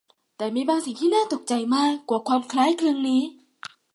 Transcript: แต่มีบางสิ่งที่น่าตกใจมากกว่าความคล้ายคลึงนี้